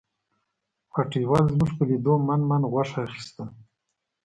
هټیوال زموږ په لیدو من من غوښه اخیستل.